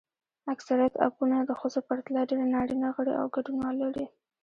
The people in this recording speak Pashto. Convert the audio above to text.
اکثریت اپونه د ښځو پرتله ډېر نارینه غړي او ګډونوال لري.